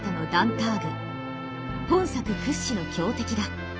本作屈指の強敵だ。